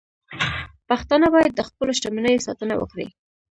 پښتانه باید د خپلو شتمنیو ساتنه وکړي.